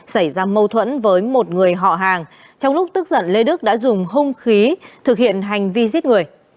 xảy ra mâu thuẫn với một người họ hàng trong lúc tức giận lê đức đã dùng hung khí thực hiện hành vi giết người